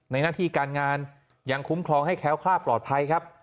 หน้าที่การงานยังคุ้มครองให้แค้วคลาดปลอดภัยครับ